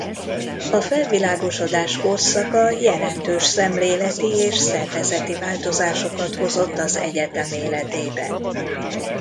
A felvilágosodás korszaka jelentős szemléleti és szervezeti változásokat hozott az egyetem életébe.